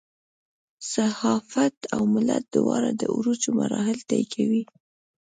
صحافت او ملت دواړه د عروج مراحل طی کوي.